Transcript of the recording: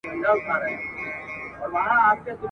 خان په لور پسي کوله خیراتونه ..